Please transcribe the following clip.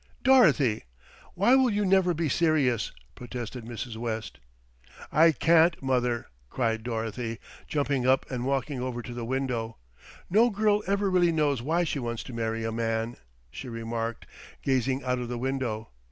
"Dorothy! why will you never be serious?" protested Mrs. West. "I can't, mother," cried Dorothy, jumping up and walking over to the window. "No girl ever really knows why she wants to marry a man," she remarked, gazing out of the window.